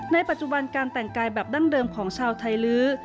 ในปัจจุบันการแต่งกายแบบดั้งเดิมของชาวไทยลื้อ